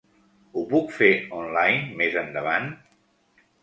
Ho puc fer online més endavant?